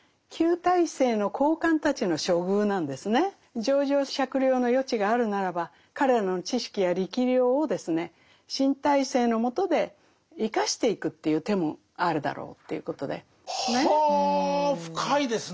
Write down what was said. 情状酌量の余地があるならば彼らの知識や力量をですね新体制のもとで生かしていくっていう手もあるだろうということで。は深いですねえ。